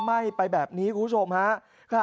มัยไปแบบนี้คุณผู้ชมฮะ